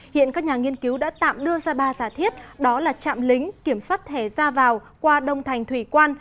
hiện các nhà nghiên cứu đã tạm đưa ra ba giả thiết đó là chạm lính kiểm soát thẻ ra vào qua đông thành thủy quan